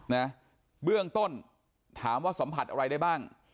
นะเบื้องต้นถามว่าสัมผัสอะไรได้บ้าง